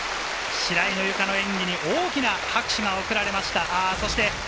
白井のゆかの演技に大きな拍手が送られました。